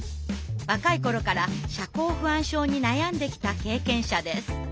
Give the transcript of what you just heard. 若い頃から社交不安症に悩んできた経験者です。